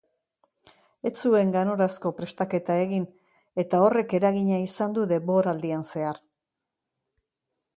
Ez zuen ganorazko prestaketa egin eta horrek eragina izan du denboraldian zehar.